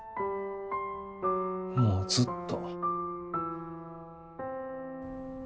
もうずっと。